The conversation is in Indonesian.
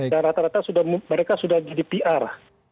dan rata rata mereka sudah jadi pr